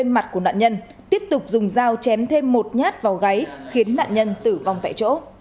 mặt của nạn nhân tiếp tục dùng dao chém thêm một nhát vào gáy khiến nạn nhân tử vong tại chỗ